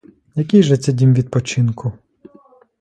Який же це дім відпочинку?